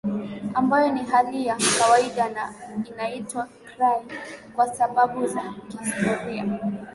ambayo ni hali ya kawaida na inaitwa krai kwa sababu za kihistoria